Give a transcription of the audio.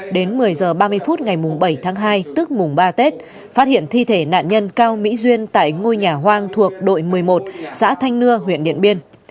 đến một mươi h ba mươi phút ngày bảy tháng hai tức mùng ba tết phát hiện thi thể nạn nhân cao mỹ duyên tại ngôi nhà hoang thuộc đội một mươi một xã thanh nưa huyện điện biên